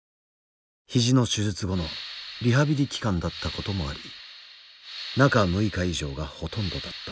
肘の手術後のリハビリ期間だったこともあり中６日以上がほとんどだった。